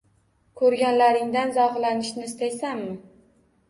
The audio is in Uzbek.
Koʻrganlaringdan zavqlanishni istaysanmi